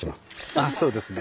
ああそうですね